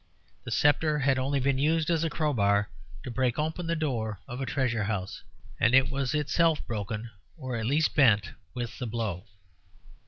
The sceptre had only been used as a crowbar to break open the door of a treasure house, and was itself broken, or at least bent, with the blow.